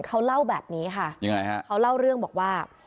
เขาเล่าแบบนี้ค่ะยังไงฮะเขาเล่าเรื่องบอกว่า